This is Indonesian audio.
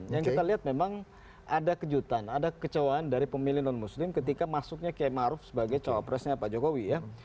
yang kita lihat memang ada kejutan ada kecewaan dari pemilih non muslim ketika masuknya km arief sebagai cowok presnya pak jokowi ya